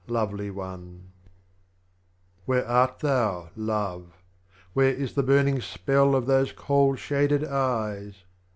Lovely One, 57. Where art thou. Love ? Where is the Burning Spell Of those kohl shaded Eyes